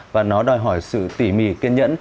và nó đòi hỏi sự tỉ mỉ kiên nhẫn